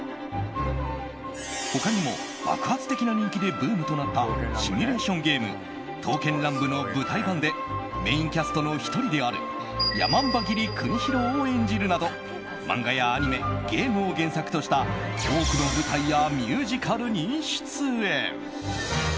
他にも、爆発的な人気でブームとなったシミュレーションゲーム「刀剣乱舞」の舞台版でメインキャストの１人である山姥切国広を演じるなど漫画やアニメゲームを原作とした多くの舞台やミュージカルに出演。